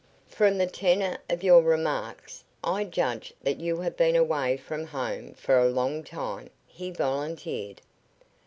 "From the tenor of your remarks, I judge that you have been away from home for a long time," he volunteered.